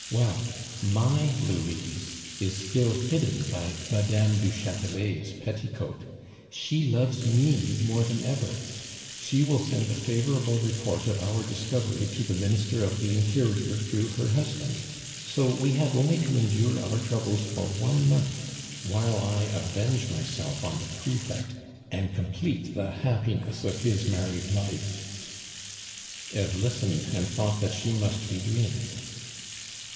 "Well, my Louise is still hidden by Mme. du Chatelet's petticoat. She loves me more than ever; she will send a favorable report of our discovery to the Minister of the Interior through her husband. So we have only to endure our troubles for one month, while I avenge myself on the prefect and complete the happiness of his married life." Eve listened, and thought that she must be dreaming.